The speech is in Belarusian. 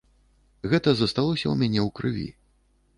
Гэта засталося ў мяне ў крыві.